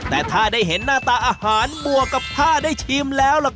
แต่ถ้าได้เห็นหน้าตาอาหารบวกกับถ้าได้ชิมแล้วล่ะครับ